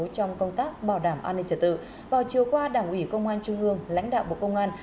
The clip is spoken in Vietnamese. trong công tác bảo đảm an ninh trật tự vào chiều qua đảng ủy công an trung ương lãnh đạo bộ công an